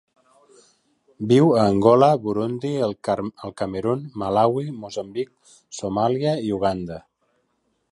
Viu a Angola, Burundi, el Camerun, Malawi, Moçambic, Somàlia i Uganda.